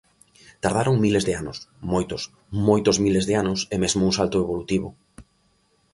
Tardaron miles de anos, moitos, moitos miles de anos e mesmo un salto evolutivo.